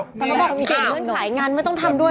ต้องก็บอกมีเก่งเงินข่ายงานไม่ต้องทำด้วย